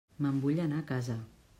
Me'n vull anar a casa.